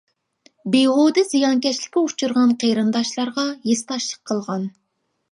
بىھۇدە زىيانكەشلىككە ئۇچرىغان قېرىنداشلارغا ھېسداشلىق قىلغان.